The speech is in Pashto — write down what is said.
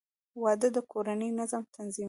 • واده د کورني نظام تنظیم دی.